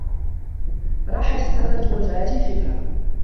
راحت السكرة وجاءت الفكرة